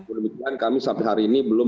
oleh itu kami sampai hari ini belum